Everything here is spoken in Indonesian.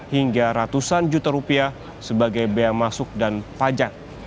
hingga ratusan juta rupiah sebagai bea masuk dan pajak